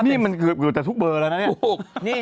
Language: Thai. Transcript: นี่มันเกือบจะทุกเบอร์แล้วนะเนี่ย